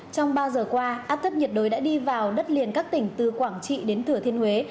trong ba giờ qua áp thấp nhiệt đới đã đi vào đất liền các tỉnh từ quảng trị đến thừa thiên huế